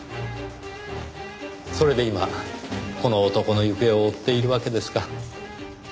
それで今この男の行方を追っているわけですか。